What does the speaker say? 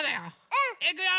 うん！いくよ！